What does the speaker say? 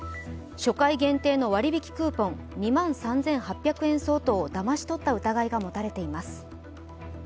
初回限定の割引クーポン２万３８００円相当をだまし取った疑いが持たれています。